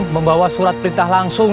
membawa surat perintah langsung